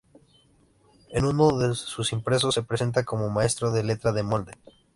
En uno de sus impresos se presenta como "maestro de letra de molde".